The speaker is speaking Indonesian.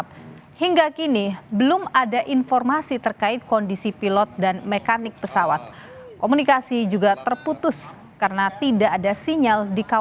pimpinan satuan polsek raya